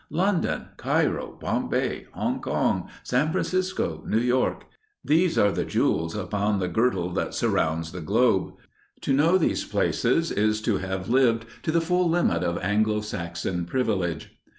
London, Cairo, Bombay, Hongkong, San Francisco, New York these are the jewels upon the girdle that surrounds the globe. To know these places is to have lived to the full limit of Anglo Saxon privilege.